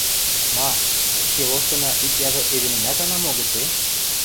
Ма, ӹшке лоштына ик яжо эдемӹмӓт ана мо гыце?